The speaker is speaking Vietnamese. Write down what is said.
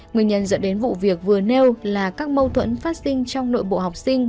nguyên nhân dẫn đến vụ việc vừa nêu là các mâu thuẫn phát sinh trong nội bộ học sinh